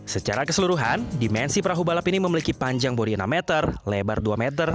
secara keseluruhan dimensi perahu balap ini memiliki panjang bodi enam meter lebar dua meter